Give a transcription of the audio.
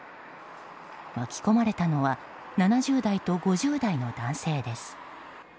巻き込まれたのは７０代と５０代の男性です。